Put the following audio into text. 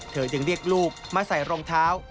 เธอจึงเรียกลูกมาใส่รองเท้า